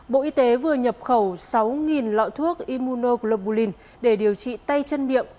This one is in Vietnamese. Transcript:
bộ y tế vừa nhập khẩu sáu lọ thuốc immunoglobulin để điều trị tay chân miệng